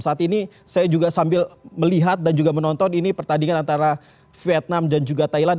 saat ini saya juga sambil melihat dan juga menonton ini pertandingan antara vietnam dan juga thailand